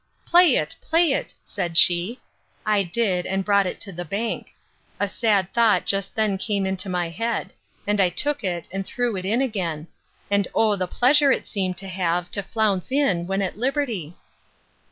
Play it, play it, said she: I did, and brought it to the bank. A sad thought just then came into my head; and I took it, and threw it in again; and O the pleasure it seemed to have, to flounce in, when at liberty!